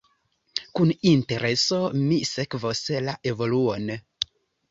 Kun intereso mi sekvos la evoluon.